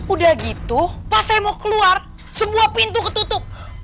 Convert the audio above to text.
udah gitu pas saya mau keluar semua pintu ketutup